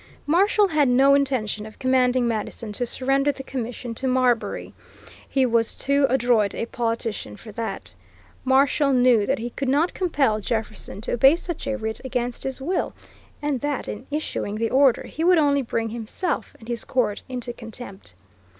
Marshall had no intention of commanding Madison to surrender the commission to Marbury. He was too adroit a politician for that. Marshall knew that he could not compel Jefferson to obey such a writ against his will, and that in issuing the order he would only bring himself and his court into contempt.